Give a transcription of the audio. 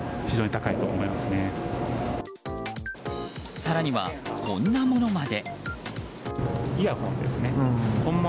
更には、こんなものまで。